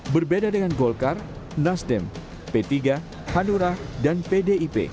berbeda dengan golkar nasdem p tiga hanura dan pdip